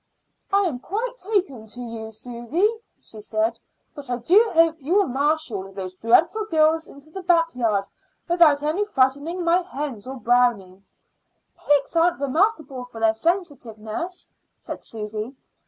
"I am quite taking to you, Susy," she said. "But I do hope you will marshal those dreadful girls into the backyard without frightening my hens or Brownie." "Pigs aren't remarkable for sensitiveness," said Susy.